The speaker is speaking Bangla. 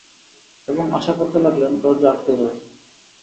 এবং আশা করতে লাগলেন দরজা আটকে যাবে।